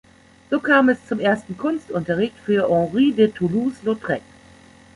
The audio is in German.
So kam es zum ersten Kunstunterricht für Henri de Toulouse-Lautrec.